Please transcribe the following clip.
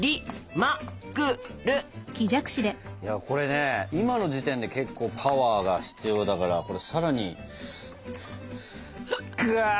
これね今の時点で結構パワーが必要だからこれ更に。ぐわ！